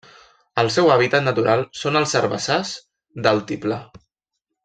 El seu hàbitat natural són els herbassars d'altiplà.